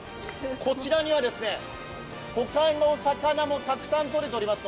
こちらには他の魚もたくさんとれております。